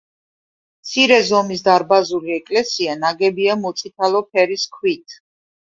მცირე ზომის დარბაზული ეკლესია ნაგებია მოწითალო ფერის ქვით.